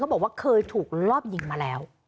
บอกว่าเคยถูกรอบยิงมาแล้ว